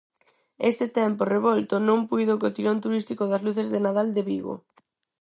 Este tempo revolto non puido co tirón turístico das luces de Nadal de Vigo.